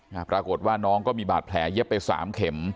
ปรากฏว่าน้องก็มีบาดแผลเย็บไปสามเข็ม